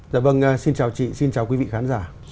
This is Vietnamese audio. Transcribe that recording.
dạ vâng xin chào chị xin chào quý vị khán giả